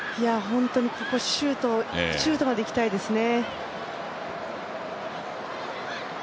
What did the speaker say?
ここシュートまでいきたいですね。